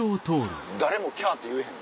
誰もきゃ！って言えへん。